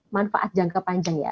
manfaat jangka panjang ya